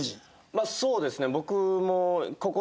まあそうですね。